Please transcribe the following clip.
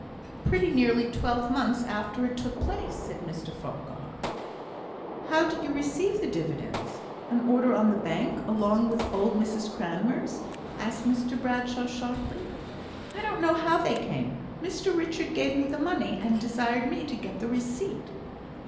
"Pretty nearly twelve months after it took place," said Mr Farquhar. "How did you receive the dividends? An order on the Bank, along with old Mrs Cranmer's?" asked Mr Bradshaw, sharply. "I don't know how they came. Mr Richard gave me the money, and desired me to get the receipt."